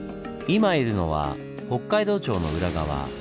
今いるのは北海道庁の裏側。